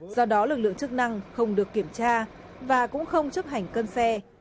do đó lực lượng chức năng không được kiểm tra và cũng không chấp hành cân xe